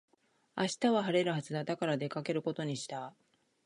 明日は晴れるはずだ。だから出かけることにした。